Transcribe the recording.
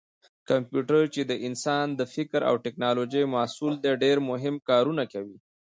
کمپیوټر چې د انسان د فکر او ټېکنالوجۍ محصول دی ډېر مهم کارونه کوي.